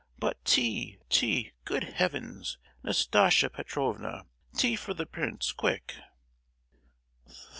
But, tea! tea! Good Heavens, Nastasia Petrovna, tea for the prince, quick!"